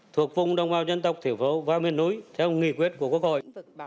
thuộc vùng đồng bào dân tộc thiểu vo và miền núi theo nghị quyết của quốc hội